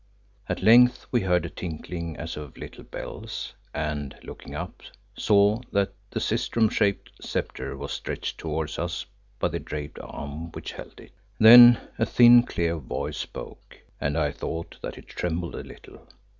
At length we heard a tinkling as of little bells, and, looking up, saw that the sistrum shaped sceptre was stretched towards us by the draped arm which held it. Then a thin, clear voice spoke, and I thought that it trembled a little.